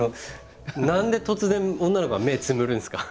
何で突然女の子が目つむるんですか？